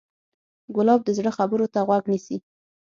ګلاب د زړه خبرو ته غوږ نیسي.